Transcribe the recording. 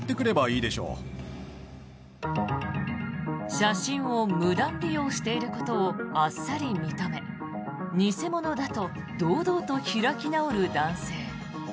写真を無断利用していることをあっさり認め偽物だと堂々と開き直る男性。